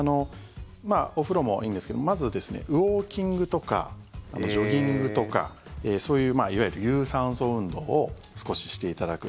お風呂もいいんですけどまず、ウォーキングとかジョギングとかそういう、いわゆる有酸素運動を少ししていただく。